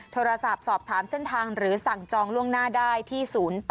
โทรศัพท์สอบถามเส้นทางหรือสั่งจองล่วงหน้าได้ที่๐๘